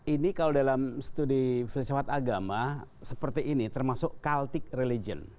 ini kalau dalam studi filsafat agama seperti ini termasuk cultic religion